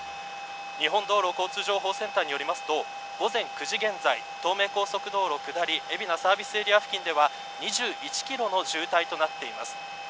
日本道路交通情報センターによりますと午前９時現在、東名高速道路下り、海老名サービスエリア付近では２１キロの渋滞となっています。